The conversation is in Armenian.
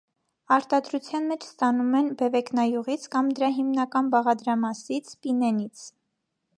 Արտադրության մեջ ստանում են բևեկնայուղից կամ դրա հիմնական բաղադրամասից՝ պինենից։